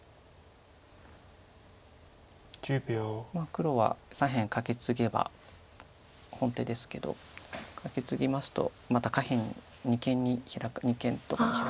黒は左辺カケツゲば本手ですけどカケツギますとまた下辺二間とかにヒラかれます。